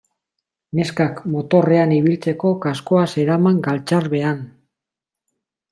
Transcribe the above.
Neskak motorrean ibiltzeko kaskoa zeraman galtzarbean.